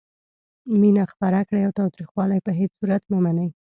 مینه خپره کړئ او تاوتریخوالی په هیڅ صورت مه منئ.